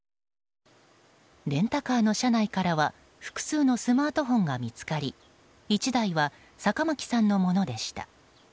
レンタカーの車内からは複数のスマートフォンが見つかり１台は坂巻さんのものでした。